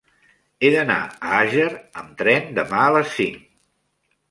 He d'anar a Àger amb tren demà a les cinc.